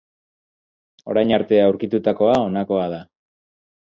Orain arte aurkitutakoa honakoa da.